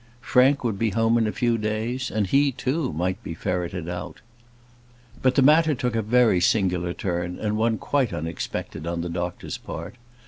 Frank would be home in a few days; and he, too, might be ferreted out. But the matter took a very singular turn, and one quite unexpected on the doctor's part.